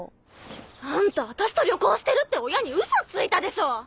あんた私と旅行してるって親にウソついたでしょ！